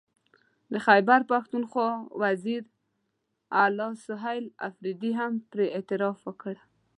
د خیبر پښتونخوا وزیر اعلی سهیل اپريدي هم پرې اعتراف وکړ